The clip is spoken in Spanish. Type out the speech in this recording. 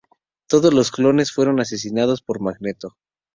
Todos los clones fueron asesinados por Magneto.